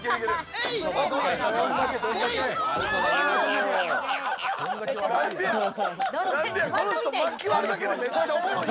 えい！